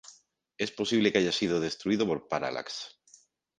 Es posible que haya sido destruido por Parallax.